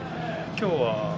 きょうは？